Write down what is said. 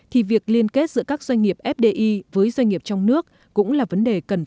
thì việc liên kết giữa các doanh nghiệp fdi với doanh nghiệp trong nước cũng là vấn đề cần phải được quan tâm